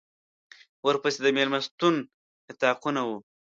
ورپسې د مېلمستون اطاقونه وو.